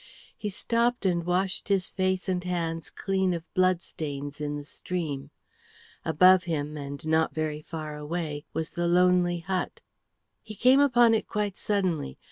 He stopped and washed his face and hands clean of blood stains in the stream. Above him and not very far away was the lonely hut. He came upon it quite suddenly.